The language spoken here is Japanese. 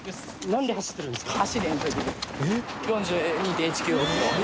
なんで走ってるんですか？